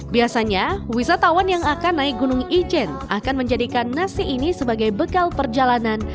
biasanya wisatawan yang akan naik gunung ijen akan menjadikan nasi ini sebagai bekal perjalanan